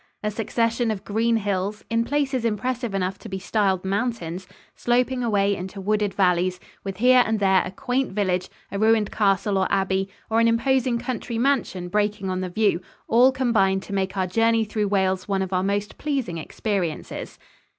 A succession of green hills, in places impressive enough to be styled mountains, sloping away into wooded valleys, with here and there a quaint village, a ruined castle or abbey, or an imposing country mansion breaking on the view all combined to make our journey through Wales one of our most pleasing experiences.